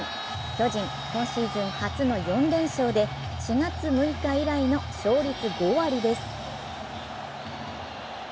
巨人、今シーズン初の４連勝で４月６日以来の勝率５割です。